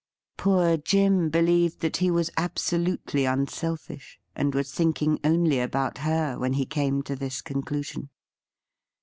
Poor Jim believed that he was absolutely unselfish, and was thinking only about her when he came to this conclusion.